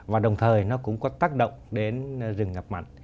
và đồng thời nó cũng có tác động đến rừng ngập mặn